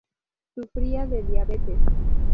Sufría de diabetes.